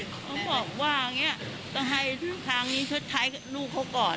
เขาบอกว่าต้องให้ทางนี้ชดท้ายลูกเขาก่อน